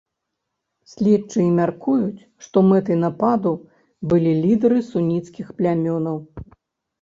Следчыя мяркуюць, што мэтай нападу былі лідары суніцкіх плямёнаў.